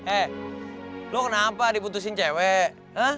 eh lo kenapa diputusin cewek